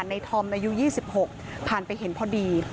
ธอมอายุ๒๖ผ่านไปเห็นพอดี